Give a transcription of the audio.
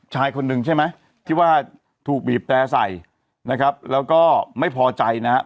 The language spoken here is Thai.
ชายคนหนึ่งใช่ไหมที่ว่าถูกบีบแต่ใส่นะครับแล้วก็ไม่พอใจนะฮะ